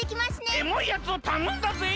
エモいやつをたのんだぜい！